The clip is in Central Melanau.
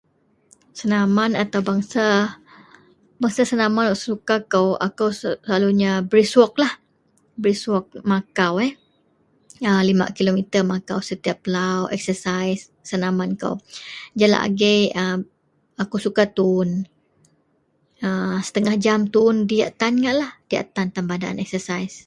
Senaman ataupun bengsa, bengsa senaman wak suka kou, akou selalunya brisk walklah, brisk walk, makau eh. Lima kilometer makau setiap lau, eksesais senaman kou. Jalak agei a akou suka tuwun, setengah jam tuwun, diyak tan ngaklah, diyan tan badan eksasais.